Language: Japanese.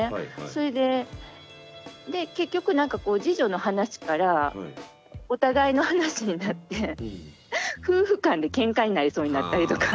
それでで結局何かこう次女の話からお互いの話になって夫婦間でケンカになりそうになったりとか。